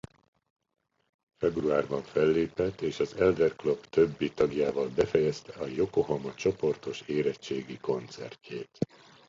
Februárban fellépett és az Elder Club többi tagjával befejezte a Jokohama csoportos érettségi koncertjét.